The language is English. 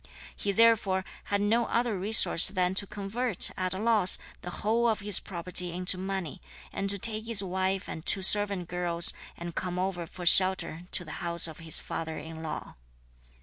He therefore had no other resource than to convert, at a loss, the whole of his property into money, and to take his wife and two servant girls and come over for shelter to the house of his father in law.